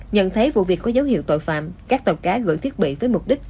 nhận thấy vụ việc có dấu hiệu tội phạm các tàu cá gửi thiết bị với mục đích